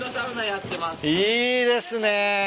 いいですね。